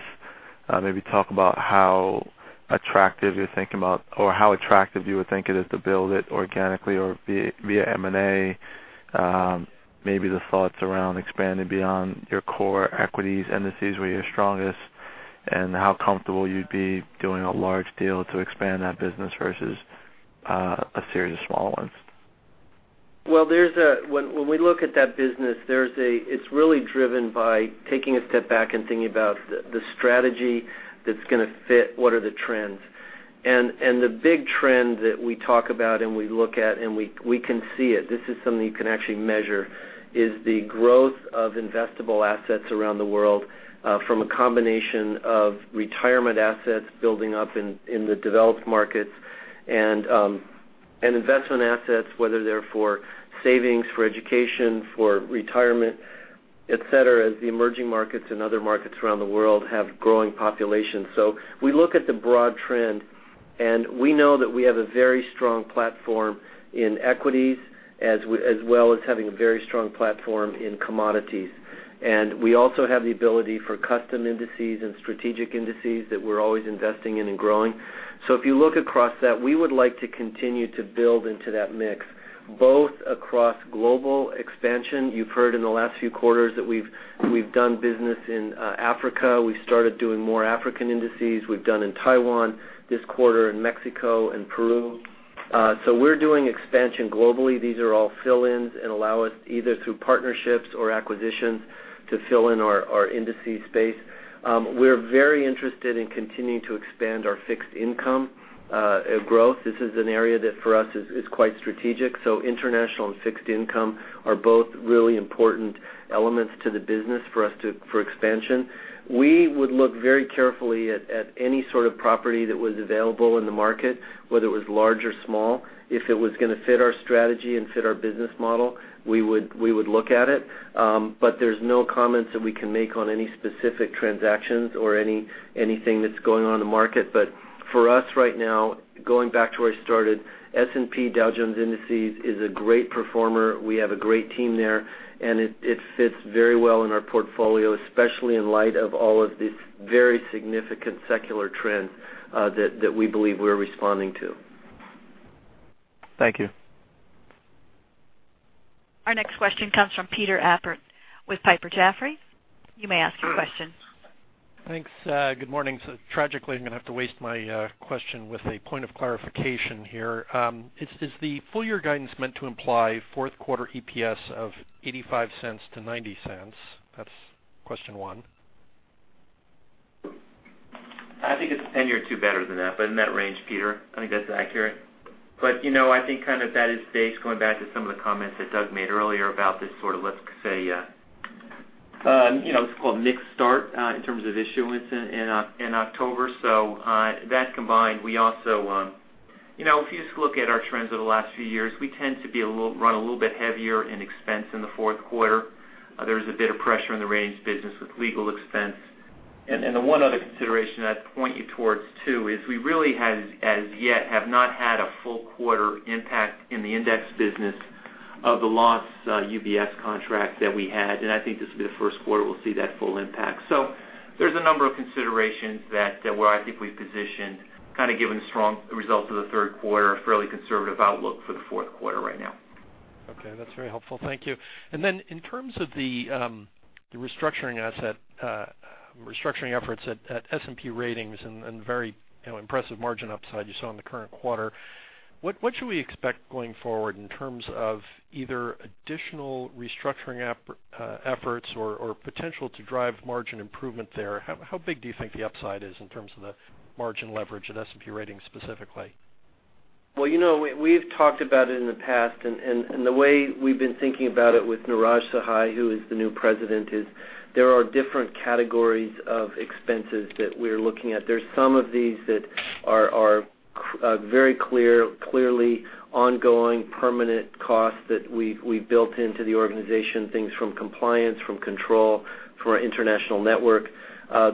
Maybe talk about how attractive you're thinking about, or how attractive you would think it is to build it organically or via M&A. Maybe the thoughts around expanding beyond your core equities indices where you're strongest, and how comfortable you'd be doing a large deal to expand that business versus a series of small ones. When we look at that business, it's really driven by taking a step back and thinking about the strategy that's going to fit what are the trends. The big trend that we talk about and we look at, and we can see it, this is something you can actually measure, is the growth of investable assets around the world from a combination of retirement assets building up in the developed markets and investment assets, whether they're for savings, for education, for retirement, et cetera, as the emerging markets and other markets around the world have growing populations. We look at the broad trend, and we know that we have a very strong platform in equities, as well as having a very strong platform in commodities. We also have the ability for custom indices and strategic indices that we're always investing in and growing. If you look across that, we would like to continue to build into that mix, both across global expansion. You've heard in the last few quarters that we've done business in Africa. We started doing more African indices. We've done in Taiwan this quarter, in Mexico and Peru. We're doing expansion globally. These are all fill-ins and allow us either through partnerships or acquisitions to fill in our indices space. We're very interested in continuing to expand our fixed income growth. This is an area that for us is quite strategic, so international and fixed income are both really important elements to the business for us for expansion. We would look very carefully at any sort of property that was available in the market, whether it was large or small. If it was going to fit our strategy and fit our business model, we would look at it. There's no comments that we can make on any specific transactions or anything that's going on in the market. For us right now, going back to where I started, S&P Dow Jones Indices is a great performer. We have a great team there, and it fits very well in our portfolio, especially in light of all of this very significant secular trend that we believe we're responding to. Thank you. Our next question comes from Peter Appert with Piper Jaffray. You may ask your question. Thanks. Good morning. Tragically, I'm going to have to waste my question with a point of clarification here. Is the full year guidance meant to imply fourth quarter EPS of $0.85 to $0.90? That's question one. I think it's $0.01 or $0.02 better than that, in that range, Peter. I think that's accurate. I think that is based, going back to some of the comments that Doug made earlier about this sort of, let's say, let's call it a mixed start in terms of issuance in October. That combined, if you just look at our trends over the last few years, we tend to run a little bit heavier in expense in the fourth quarter. There's a bit of pressure in the range business with legal expense. The one other consideration I'd point you towards, too, is we really as yet have not had a full quarter impact in the index business Of the lost UBS contract that we had, I think this will be the first quarter we'll see that full impact. There's a number of considerations that where I think we've positioned, given the strong results of the third quarter, a fairly conservative outlook for the fourth quarter right now. Okay. That's very helpful. Thank you. In terms of the restructuring efforts at S&P Ratings and very impressive margin upside you saw in the current quarter, what should we expect going forward in terms of either additional restructuring efforts or potential to drive margin improvement there? How big do you think the upside is in terms of the margin leverage at S&P Ratings specifically? Well, we've talked about it in the past, and the way we've been thinking about it with Neeraj Sahai, who is the new President, there are different categories of expenses that we're looking at. There's some of these that are very clearly ongoing permanent costs that we've built into the organization, things from compliance, from control, from our international network.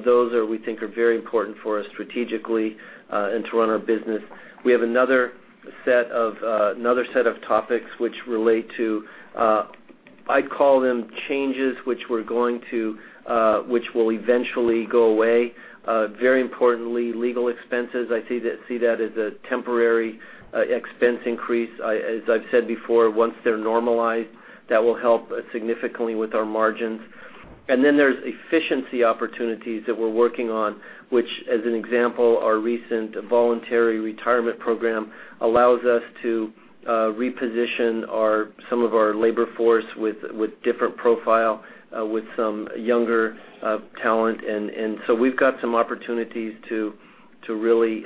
Those we think are very important for us strategically, and to run our business. We have another set of topics which relate to, I call them changes, which will eventually go away. Very importantly, legal expenses. I see that as a temporary expense increase. As I've said before, once they're normalized, that will help significantly with our margins. There's efficiency opportunities that we're working on, which, as an example, our recent voluntary retirement program allows us to reposition some of our labor force with different profile, with some younger talent. We've got some opportunities to really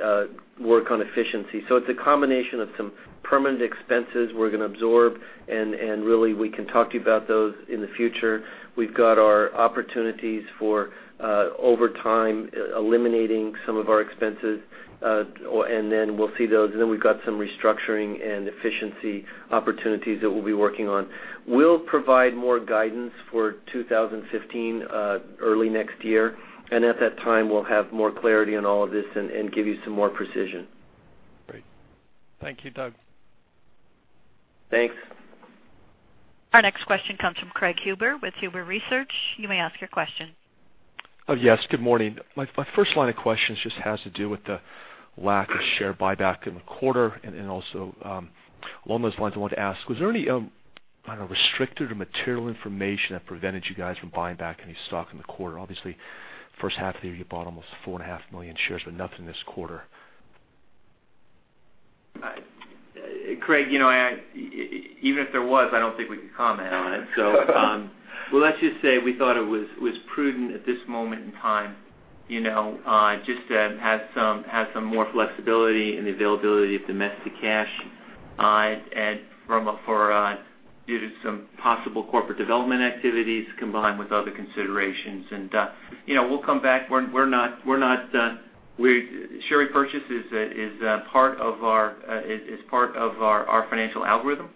work on efficiency. It's a combination of some permanent expenses we're going to absorb, and really, we can talk to you about those in the future. We've got our opportunities for overtime, eliminating some of our expenses, then we'll see those. We've got some restructuring and efficiency opportunities that we'll be working on. We'll provide more guidance for 2015, early next year, and at that time, we'll have more clarity on all of this and give you some more precision. Great. Thank you, Doug. Thanks. Our next question comes from Craig Huber with Huber Research. You may ask your question. Yes, good morning. My first line of questions just has to do with the lack of share buyback in the quarter, also along those lines, I wanted to ask, was there any restricted or material information that prevented you guys from buying back any stock in the quarter? Obviously, first half of the year, you bought almost four and a half million shares, but nothing this quarter. Craig, even if there was, I don't think we could comment on it. Let's just say we thought it was prudent at this moment in time, just to have some more flexibility and the availability of domestic cash due to some possible corporate development activities combined with other considerations. We'll come back. Share repurchase is part of our financial algorithm,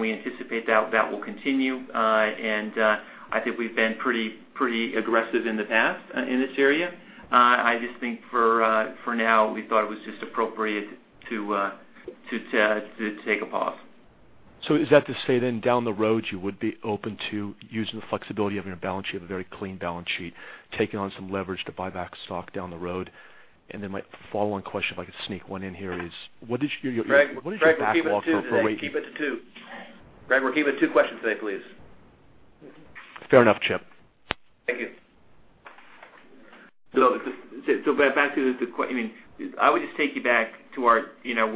we anticipate that will continue. I think we've been pretty aggressive in the past in this area. I just think for now, we thought it was just appropriate to take a pause. Is that to say then down the road, you would be open to using the flexibility of your balance sheet, have a very clean balance sheet, taking on some leverage to buy back stock down the road? My follow-on question, if I could sneak one in here is, what is your backlog for- Craig Huber, we'll keep it to two questions today, please. Fair enough, Chip. Thank you. I would just take you back to where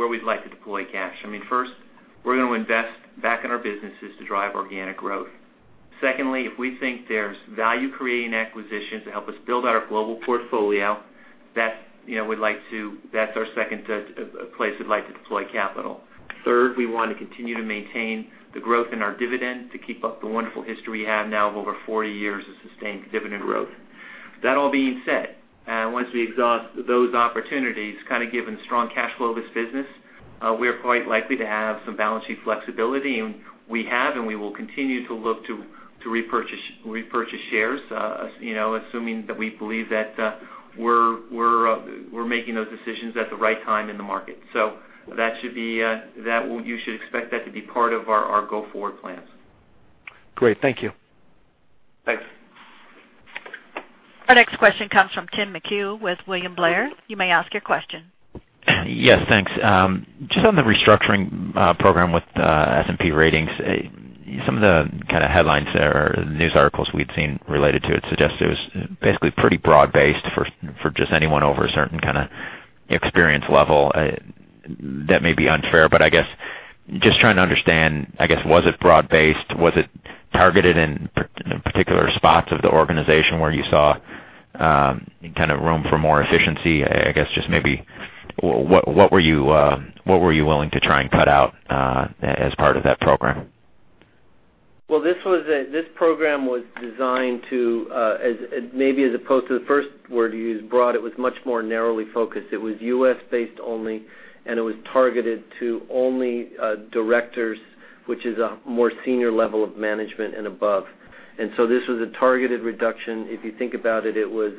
we'd like to deploy cash. First, we're going to invest back in our businesses to drive organic growth. Secondly, if we think there's value creating acquisitions to help us build out our global portfolio, that's our second place we'd like to deploy capital. Third, we want to continue to maintain the growth in our dividend to keep up the wonderful history we have now of over 40 years of sustained dividend growth. That all being said, once we exhaust those opportunities, given the strong cash flow of this business, we are quite likely to have some balance sheet flexibility, and we have and we will continue to look to repurchase shares, assuming that we believe that we're making those decisions at the right time in the market. You should expect that to be part of our go-forward plans. Great. Thank you. Thanks. Our next question comes from Tim McHugh with William Blair. You may ask your question. Yes, thanks. Just on the restructuring program with S&P Ratings, some of the headlines there or news articles we'd seen related to it suggest it was basically pretty broad-based for just anyone over a certain kind of experience level. That may be unfair, but I guess, just trying to understand, I guess, was it broad-based? Was it targeted in particular spots of the organization where you saw room for more efficiency? I guess just maybe what were you willing to try and cut out as part of that program? Well, this program was designed to, maybe as opposed to the first word you used, broad, it was much more narrowly focused. It was U.S.-based only, and it was targeted to only directors, which is a more senior level of management and above. This was a targeted reduction. If you think about it was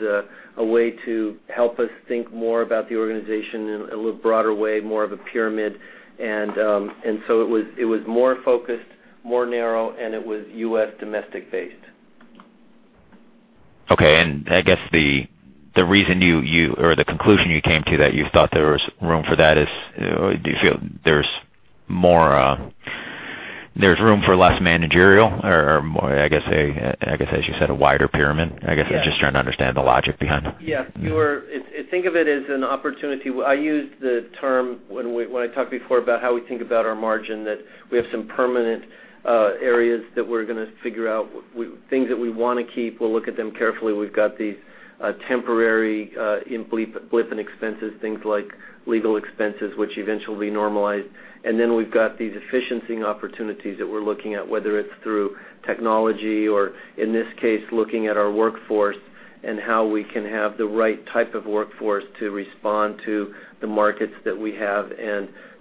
a way to help us think more about the organization in a little broader way, more of a pyramid. It was more focused, more narrow, and it was U.S. domestic based. Okay. I guess the reason you, or the conclusion you came to that you thought there was room for that is, do you feel there's room for less managerial or more, I guess as you said, a wider pyramid? I guess I'm just trying to understand the logic behind it. Yeah. Think of it as an opportunity. I used the term when I talked before about how we think about our margin, that we have some permanent areas that we're going to figure out. Things that we want to keep, we'll look at them carefully. We've got these temporary blip in expenses, things like legal expenses, which eventually normalize. Then we've got these efficiency opportunities that we're looking at, whether it's through technology or, in this case, looking at our workforce and how we can have the right type of workforce to respond to the markets that we have.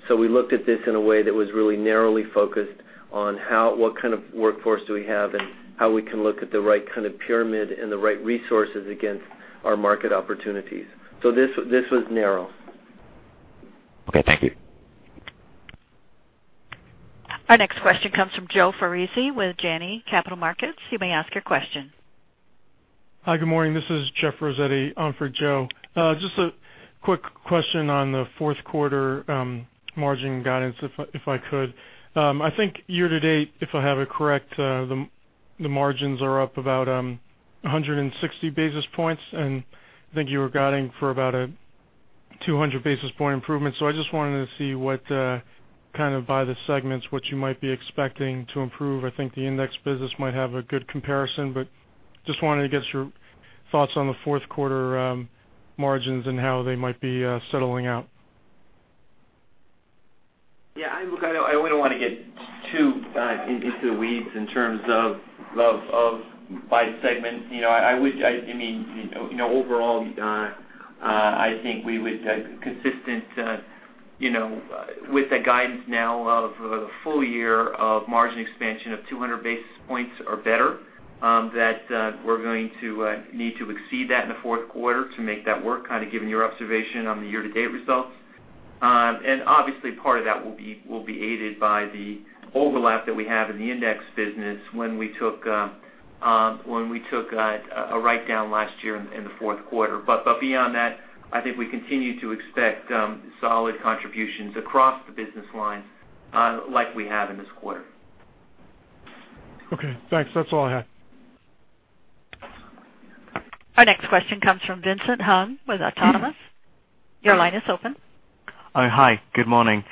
So we looked at this in a way that was really narrowly focused on what kind of workforce do we have and how we can look at the right kind of pyramid and the right resources against our market opportunities. This was narrow. Okay, thank you. Our next question comes from Joseph Foresi with Janney Montgomery Scott. You may ask your question. Hi, good morning. This is Joseph Foresi on for Joe. Just a quick question on the fourth quarter margin guidance, if I could. I think year-to-date, if I have it correct, the margins are up about 160 basis points, and I think you were guiding for about a 200 basis point improvement. I just wanted to see what, kind of by the segments, what you might be expecting to improve. I think the index business might have a good comparison, but just wanted to get your thoughts on the fourth quarter margins and how they might be settling out. Look, I wouldn't want to get too into the weeds in terms of by segment. Overall, I think we would, consistent with the guidance now of a full year of margin expansion of 200 basis points or better, that we're going to need to exceed that in the fourth quarter to make that work, kind of given your observation on the year-to-date results. Obviously part of that will be aided by the overlap that we have in the index business when we took a write-down last year in the fourth quarter. Beyond that, I think we continue to expect solid contributions across the business lines like we have in this quarter. Okay, thanks. That's all I had. Our next question comes from Vincent Hung with Autonomous. Your line is open. Oh, hi. Good morning.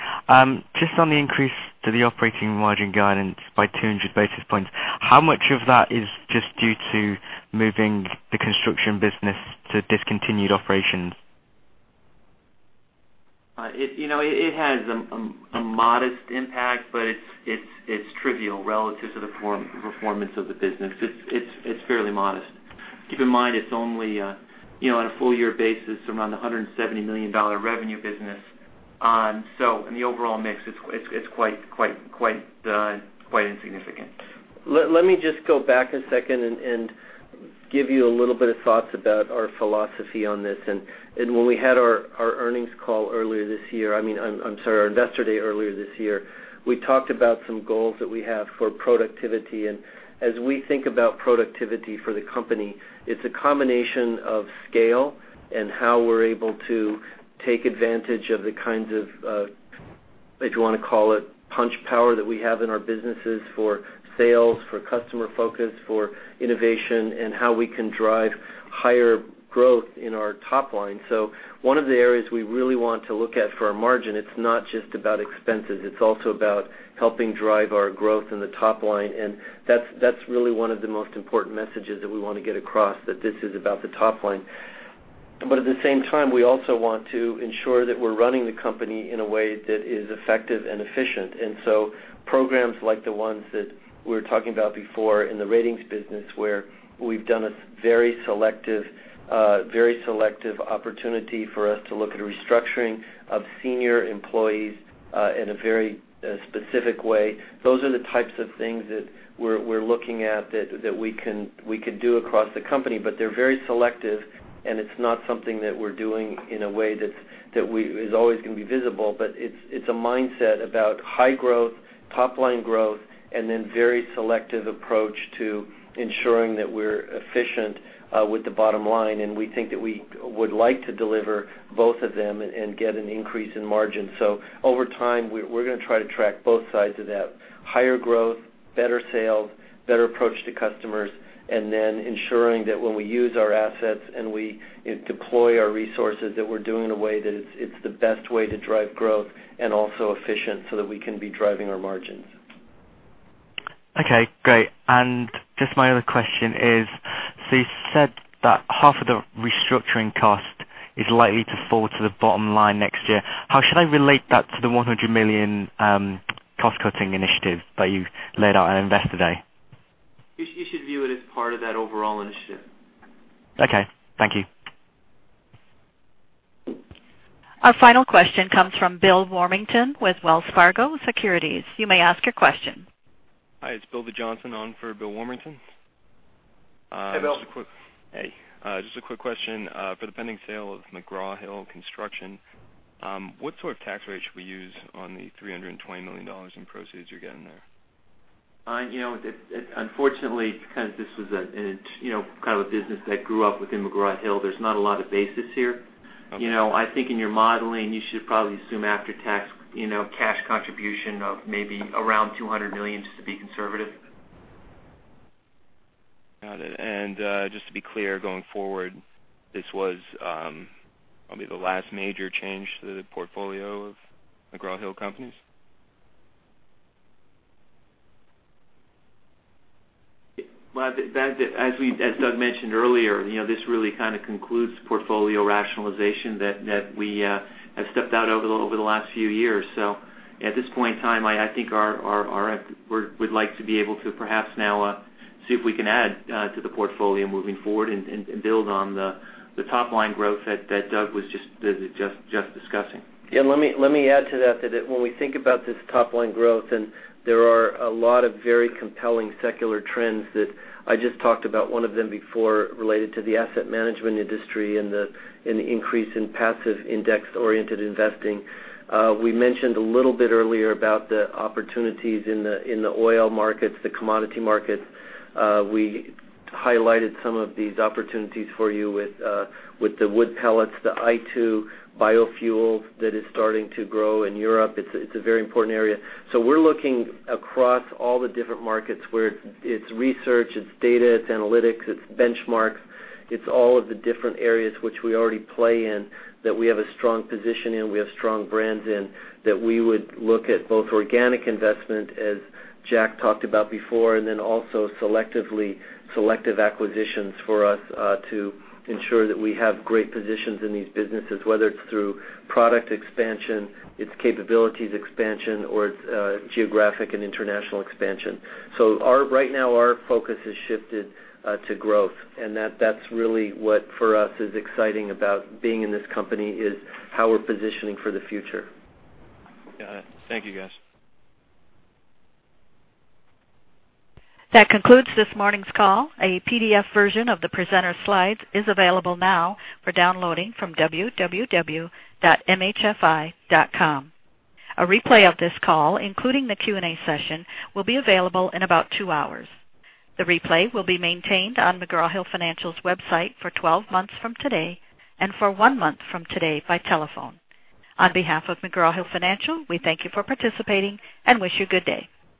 Just on the increase to the operating margin guidance by 200 basis points, how much of that is just due to moving the construction business to discontinued operations? It has a modest impact, but it's trivial relative to the performance of the business. It's fairly modest. Keep in mind, it's only on a full year basis, around the $170 million revenue business. In the overall mix, it's quite insignificant. Let me just go back a second and give you a little bit of thoughts about our philosophy on this. When we had our earnings call earlier this year, I'm sorry, our Investor Day earlier this year, we talked about some goals that we have for productivity. As we think about productivity for the company, it's a combination of scale and how we're able to take advantage of the kinds of, if you want to call it punch power that we have in our businesses for sales, for customer focus, for innovation, and how we can drive higher growth in our top line. One of the areas we really want to look at for our margin, it's not just about expenses, it's also about helping drive our growth in the top line, and that's really one of the most important messages that we want to get across, that this is about the top line. At the same time, we also want to ensure that we're running the company in a way that is effective and efficient. Programs like the ones that we were talking about before in the ratings business, where we've done a very selective opportunity for us to look at a restructuring of senior employees in a very specific way. Those are the types of things that we're looking at that we can do across the company, they're very selective, and it's not something that we're doing in a way that is always going to be visible. It's a mindset about high growth, top line growth, and then very selective approach to ensuring that we're efficient with the bottom line, and we think that we would like to deliver both of them and get an increase in margin. Over time, we're going to try to track both sides of that. Higher growth, better sales, better approach to customers, and then ensuring that when we use our assets and we deploy our resources, that we're doing it in a way that it's the best way to drive growth and also efficient so that we can be driving our margins. Okay, great. Just my other question is, you said that half of the restructuring cost is likely to fall to the bottom line next year. How should I relate that to the $100 million cost cutting initiative that you laid out at Investor Day? You should view it as part of that overall initiative. Okay. Thank you. Our final question comes from William Warmington with Wells Fargo Securities. You may ask your question. Hi, it's Bill Johnson on for William Warmington. Hey, Bill. Hey. Just a quick question. For the pending sale of McGraw Hill Construction, what sort of tax rate should we use on the $320 million in proceeds you're getting there? Unfortunately, because this was a kind of a business that grew up within McGraw Hill, there's not a lot of basis here. I think in your modeling, you should probably assume after-tax cash contribution of maybe around $200 million just to be conservative. Got it. Just to be clear, going forward, this was probably the last major change to the portfolio of McGraw Hill Companies? Well, as Doug mentioned earlier, this really kind of concludes the portfolio rationalization that we have stepped out over the last few years. At this point in time, I think we'd like to be able to perhaps now see if we can add to the portfolio moving forward and build on the top-line growth that Doug was just discussing. Yeah, let me add to that when we think about this top-line growth, there are a lot of very compelling secular trends that I just talked about one of them before related to the asset management industry and the increase in passive index-oriented investing. We mentioned a little bit earlier about the opportunities in the oil markets, the commodity markets. We highlighted some of these opportunities for you with the wood pellets, the i2 biofuels that is starting to grow in Europe. It's a very important area. We're looking across all the different markets where it's research, it's data, it's analytics, it's benchmarks, it's all of the different areas which we already play in, that we have a strong position in, we have strong brands in, that we would look at both organic investment, as Jack talked about before, and then also selective acquisitions for us to ensure that we have great positions in these businesses, whether it's through product expansion, its capabilities expansion, or its geographic and international expansion. Right now, our focus has shifted to growth, and that's really what for us is exciting about being in this company is how we're positioning for the future. Got it. Thank you, guys. That concludes this morning's call. A PDF version of the presenter slides is available now for downloading from www.mhfi.com. A replay of this call, including the Q&A session, will be available in about two hours. The replay will be maintained on McGraw Hill Financial's website for 12 months from today and for one month from today by telephone. On behalf of McGraw Hill Financial, we thank you for participating and wish you good day.